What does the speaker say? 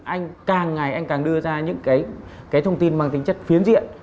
anh càng ngày càng đưa ra những thông tin bằng tính chất phiến diện